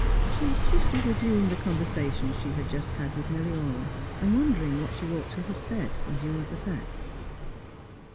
She was swiftly reviewing the conversation she had just had with Milly Orne and wondering what she ought to have said, in view of the facts.